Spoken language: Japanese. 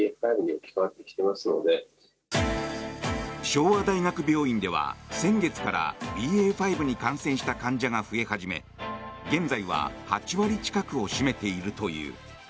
昭和大学病院では先月からＢＡ．５に感染した患者が増え始め現在は８割近くを占めているという。